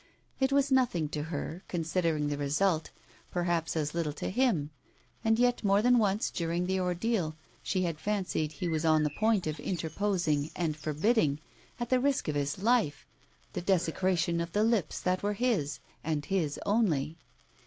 It was nothing to her, considering the result, perhaps as little to him, and yet more than once during the ordeal she had fancied he was on the point of interposing and forbidding, at the risk of his life, the desecration of the lips that were his, and his only.